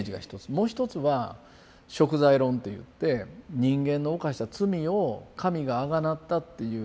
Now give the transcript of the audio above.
もう一つは贖罪論といって人間の犯した罪を神があがなったっていう。